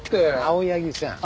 青柳さん。